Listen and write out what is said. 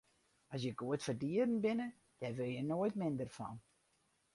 As je goed foar dieren binne, dêr wurde je noait minder fan.